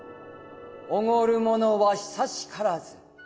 驕る者は久しからず。